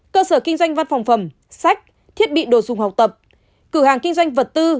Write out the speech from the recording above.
cơ sở kinh doanh văn phòng phẩm sách thiết bị đồ dùng học tập cửa hàng kinh doanh vật tư